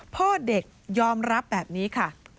พ่อเด็กยอมรับแบบนี้ค่ะ